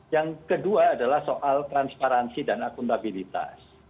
yang kedua adalah soal transparansi dan akuntabilitas